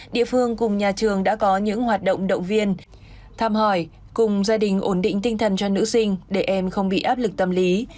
địa phương cùng nhà trường đã có những hoạt động động viên thăm hỏi cùng gia đình ổn định tinh thần cho nữ sinh để em không bị áp lực tâm lý